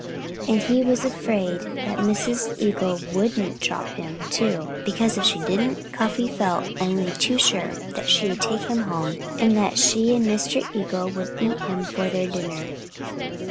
And he was afraid that Mrs. Eagle wouldn't drop him, too. Because if she didn't Cuffy felt only too sure that she would take him home and that she and Mr. Eagle would eat him for their dinner.